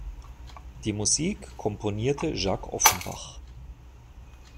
Die Musik komponierte Jacques Offenbach.